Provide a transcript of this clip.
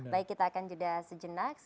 baik kita akan jeda sejenak